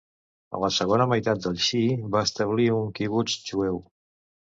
A la segona meitat del s'hi va establir un quibuts jueu.